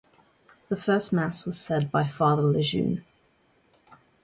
The first mass was said by Father LeJeune.